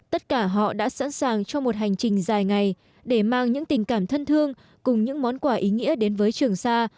tất cả họ đã sẵn sàng cho một hành trình dài ngày để mang những tình cảm thân thương cùng những món quà ý nghĩa đến với trường sa